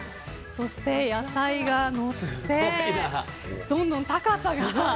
そして、野菜がのってどんどん高さが。